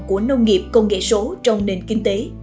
của nông nghiệp công nghệ số trong nền kinh tế